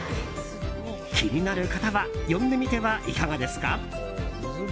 気になる方は呼んでみてはいかがですか？